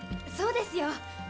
そうですよ。